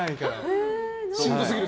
しんどすぎる？